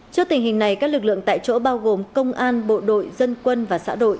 trước tình hình này các lực lượng tại chỗ bao gồm công an bộ đội dân quân và xã đội